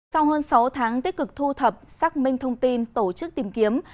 sau hơn sáu tháng tích cực thu thập xác minh thông tin tổ chức tìm kiếm